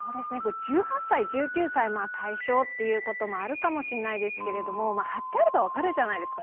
１８歳、１９歳を対象ということもあるかもしれませんが貼ってあれば分かるじゃないですか。